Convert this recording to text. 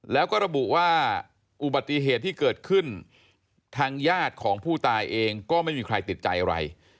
แล้วก็ระบุว่าอุบัติเหตุที่เกิดขึ้นทางญาติของผู้ตายเองก็ไม่มีใครติดใจอะไร